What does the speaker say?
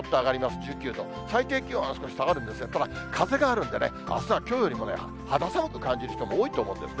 １０．９度、最低気温は少し下がるんですが、ただ風があるんでね、あすはきょうよりも肌寒く感じる人も多いと思うんですね。